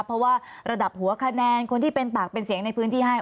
เพราะว่าระดับหัวคะแนนคนที่เป็นปากเป็นเสียงในพื้นที่ให้